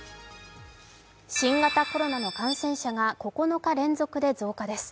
新型コロナの感染者が９日連続で増加です。